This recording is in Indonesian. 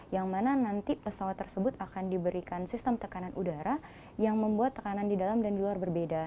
yang mana nanti pesawat tersebut akan diberikan sistem tekanan udara yang membuat tekanan di dalam dan di luar berbeda